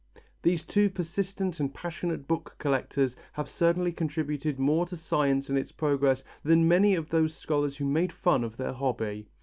These two persistent and passionate book collectors have certainly contributed more to science and its progress than many of those scholars who made fun of their hobby.